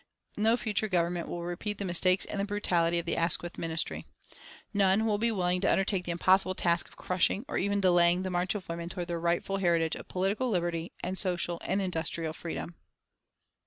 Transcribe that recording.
No future Government will repeat the mistakes and the brutality of the Asquith Ministry. None will be willing to undertake the impossible task of crushing or even delaying the march of women towards their rightful heritage of political liberty and social and industrial freedom.